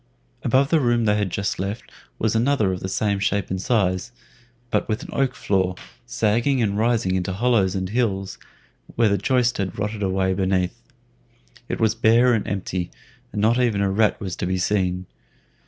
Above the room they had just left was another of the same shape and size, but with an oak floor, sagging and rising into hollows and hills, where the joist had rotted away beneath. It was bare and empty, and not even a rat was to be seen.